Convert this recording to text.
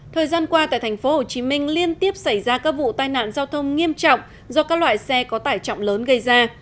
thời gian qua tại tp hcm liên tiếp xảy ra các vụ tai nạn giao thông nghiêm trọng do các loại xe có tải trọng lớn gây ra